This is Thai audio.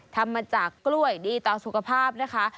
ทำมาจากกล้วยดีต่อสุขภาพนะคะ